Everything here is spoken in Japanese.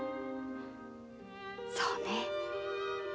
そうね。